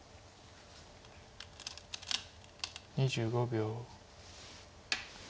２５秒。